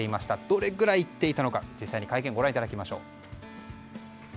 どれくらい言っていたのか実際に会見をご覧いただきましょう。